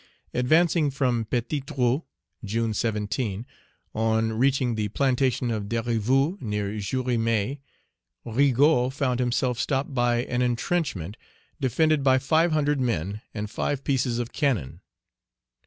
Advancing from Petit Trou (June 17), on reaching the plantation of Desrivaux, near Jéremie, Rigaud found himself stopped by an entrenchment defended by five hundred men and five pieces of cannon.